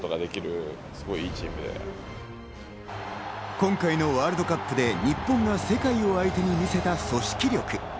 今回のワールドカップで日本が世界を相手に見せた組織力。